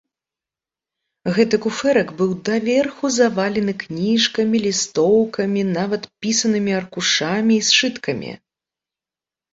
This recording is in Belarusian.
Гэты куфэрак быў даверху завалены кніжкамі, лістоўкамі, нават пісанымі аркушамі і сшыткамі.